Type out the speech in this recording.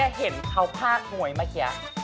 เห็นเขาภาคมวยเมื่อกี้